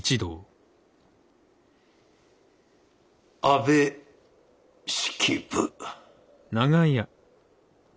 安部式部。